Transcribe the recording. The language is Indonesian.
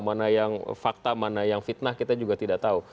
mana yang fakta mana yang fitnah kita juga tidak tahu